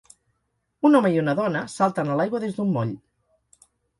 Un home i una dona salten a l'aigua des d'un moll.